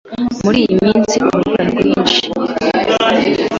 Muri iyi minsi urubura rwinshi.